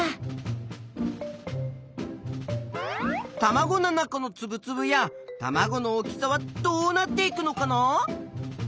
たまごの中のつぶつぶやたまごの大きさはどうなっていくのかな。